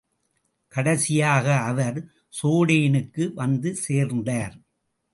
கடைசியாக அவர் சோடேனுக்கு வந்து சேர்ந்தார்.